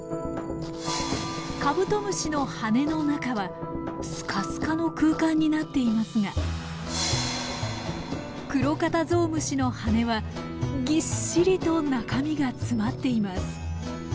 カブトムシの羽の中はスカスカの空間になっていますがクロカタゾウムシの羽はぎっしりと中身が詰まっています。